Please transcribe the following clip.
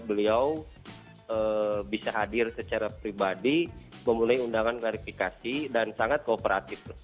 beliau bisa hadir secara pribadi memulai undangan klarifikasi dan sangat kooperatif